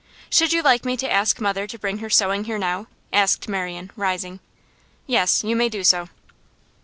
'Should you like me to ask mother to bring her sewing here now?' asked Marian, rising. 'Yes, you may do so.